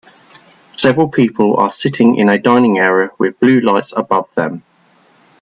Several people are sitting in a dining area with blue lights above them.